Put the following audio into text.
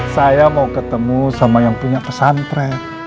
saya mau ketemu sama yang punya pesantren